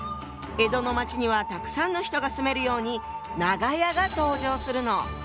江戸の町にはたくさんの人が住めるように「長屋」が登場するの。